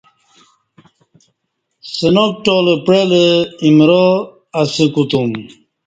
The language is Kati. سنا کٹال پعلہ ایمرا اسہ کوتم